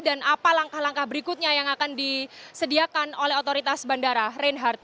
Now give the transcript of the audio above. dan apa langkah langkah berikutnya yang akan disediakan oleh otoritas bandara reinhardt